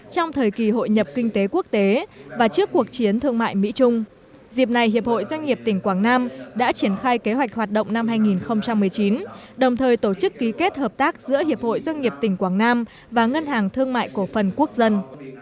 trong thời kỳ hội nhập kinh tế quốc tế và trước cuộc chiến thương mại mỹ trung dịp này hiệp hội doanh nghiệp tỉnh quảng nam đã triển khai kế hoạch hoạt động năm hai nghìn một mươi chín đồng thời tổ chức ký kết hợp tác giữa hiệp hội doanh nghiệp tỉnh quảng nam và ngân hàng thương mại cổ phần quốc dân